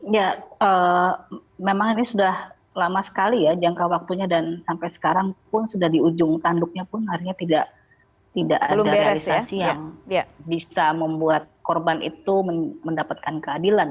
ya memang ini sudah lama sekali ya jangka waktunya dan sampai sekarang pun sudah di ujung tanduknya pun akhirnya tidak ada realisasi yang bisa membuat korban itu mendapatkan keadilan